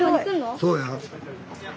そうや。